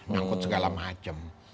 nyangkut segala macam